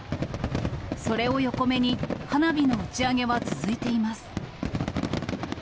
それを横目に、花火の打ち上げは続いています。